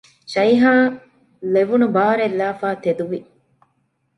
ޝައިހާ ލެވުނު ބާރެއްލައިފައި ތެދުވި